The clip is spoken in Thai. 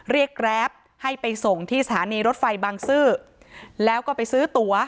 แกรปให้ไปส่งที่สถานีรถไฟบางซื่อแล้วก็ไปซื้อตั๋ว